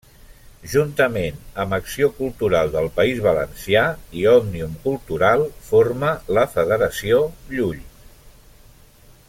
Juntament amb Acció Cultural del País Valencià i Òmnium Cultural forma la Federació Llull.